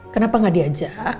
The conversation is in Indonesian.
kenapa gak diajak